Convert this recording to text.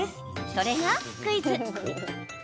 それがクイズ。